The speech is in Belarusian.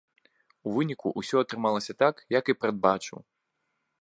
У выніку ўсё атрымалася так, як і прадбачыў.